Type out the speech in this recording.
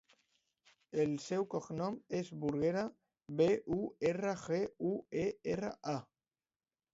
El seu cognom és Burguera: be, u, erra, ge, u, e, erra, a.